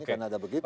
karena ada begitu